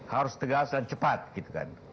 harus tegas dan cepat